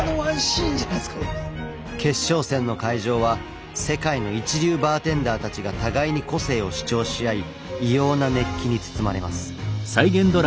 決勝戦の会場は世界の一流バーテンダーたちが互いに個性を主張し合い異様な熱気に包まれます。